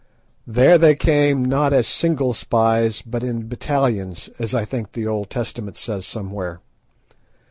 There they came, "not as single spies, but in battalions," as I think the Old Testament says somewhere.